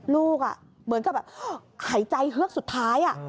เหมือนกับแบบหายใจเฮือกสุดท้าย